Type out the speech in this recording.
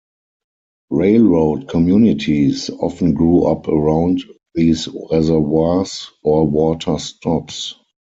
Railroad communities often grew up around these reservoirs or water stops.